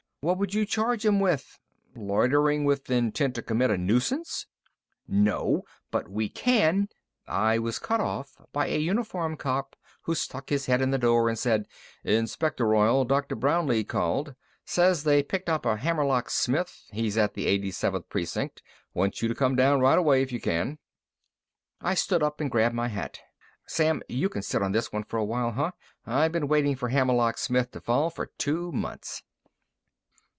What would you charge 'em with? Loitering with intent to commit a nuisance?" "No. But we can " I was cut off by a uniformed cop who stuck his head in the door and said: "Inspector Royall, Dr. Brownlee called. Says they picked up Hammerlock Smith. He's at the 87th Precinct. Wants you to come down right away if you can." I stood up and grabbed my hat. "Sam, you can sit on this one for a while, huh? I've been waiting for Hammerlock Smith to fall for two months."